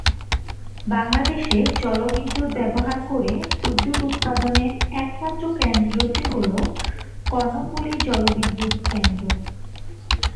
বাংলাদেশে জলবিদ্যুৎ ব্যবহার করে বিদ্যুৎ উৎপাদনের একমাত্র কেন্দ্রটি হল কর্ণফুলী জলবিদ্যুৎ কেন্দ্র।